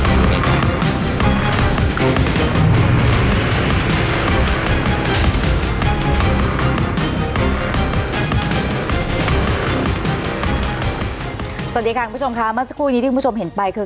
สวัสดีค่ะคุณผู้ชมค่ะเมื่อสักครู่นี้ที่คุณผู้ชมเห็นไปคือ